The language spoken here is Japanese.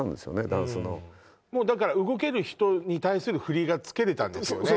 ダンスのもうだから動ける人に対する振りが付けれたんですよね